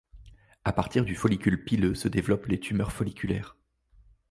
À partir du follicule pileux se développent les tumeurs folliculaires.